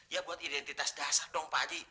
ya buat identitas dasar dong pak haji